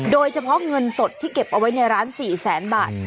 โดยเฉพาะเงินสดที่เก็บเอาไว้ในร้าน๔แสนบาท